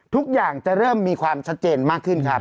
ทุกอย่างจะเริ่มมีความชัดเจนมากขึ้นครับ